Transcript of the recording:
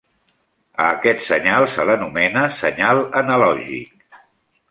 A aquest senyal se l'anomena senyal analògic.